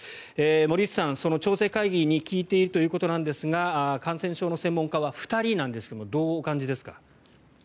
森内さん、調整会議に聞いているということですが感染症の専門家は２人なんですがどうお感じですか？